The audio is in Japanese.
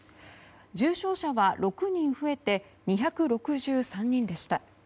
重症者は６人増えて２６３人でした。